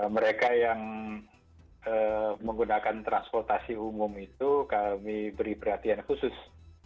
mereka yang menggunakan transportasi umum itu kami beri perhatian khusus